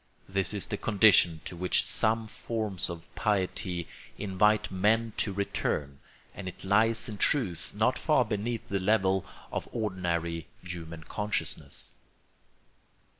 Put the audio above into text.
This is the condition to which some forms of piety invite men to return; and it lies in truth not far beneath the level of ordinary human consciousness.